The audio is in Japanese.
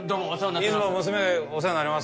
いつも娘がお世話になります